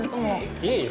いえいえ。